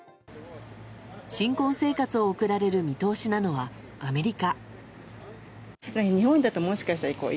新婚生活を送られる見通しなのはアメリカ。